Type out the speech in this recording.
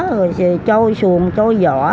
rồi trôi xuồng trôi giỏ